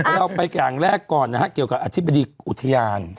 เราไปอย่างแรกก่อนนะฮะเกี่ยวกับอธิบดีอุทยาน